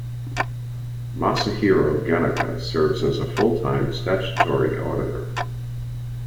Masahiro Gennaka serves as Full-Time Statutory Auditor.